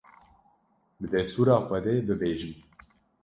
bi destûra Xwedê bibêjim